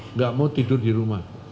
nggak mau tidur di rumah